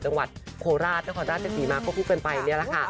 จังหวัดโคราชและควรราชเจ็ดสีมากก็พูดเกินไปเนี่ยละค่ะ